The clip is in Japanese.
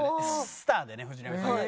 スターでね藤波さんが。